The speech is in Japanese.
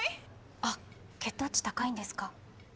あっ血糖値高いんですか？